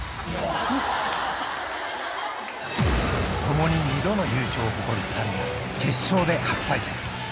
⁉［共に二度の優勝を誇る２人が決勝で初対戦］